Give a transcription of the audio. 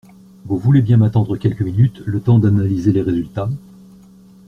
Vous voulez bien m’attendre quelques minutes, le temps d’analyser les résultats.